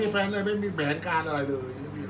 อันไหนที่มันไม่จริงแล้วอาจารย์อยากพูด